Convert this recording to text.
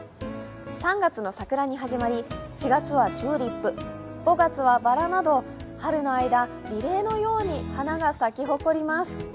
３月の桜に始まり４月はチューリップ、５月はバラなど春の間リレーのように花が咲き誇ります。